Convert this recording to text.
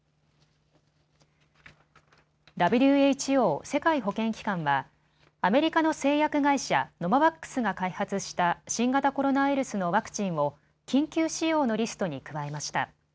ＷＨＯ・世界保健機関はアメリカの製薬会社、ノババックスが開発した新型コロナウイルスのワクチンを緊急使用のリストに加えました。